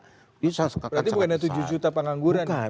berarti bukan rp tujuh juta pengangguran